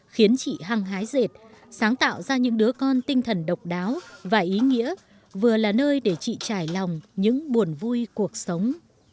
khiến chị hăng hái rệt sáng tạo ra những đứa con tinh thần độc đáo và ý nghĩa vừa là nơi để chị trải lòng những buồn vui cuộc sống